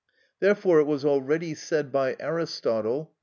Therefore it was already said by Aristotle (De.